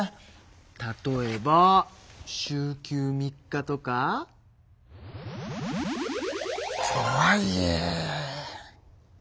例えば週休３日とか。とはいえ。